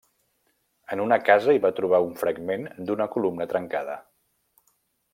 En una casa hi va trobar un fragment d'una columna trencada.